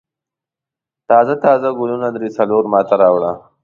تازه تازه ګلونه درې څلور ما ته راوړه.